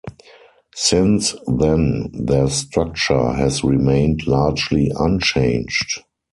Since then, their structure has remained largely unchanged.